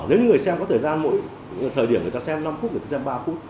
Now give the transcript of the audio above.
nếu như người xem có thời gian mỗi thời điểm người ta xem năm phút người thứ hai ba phút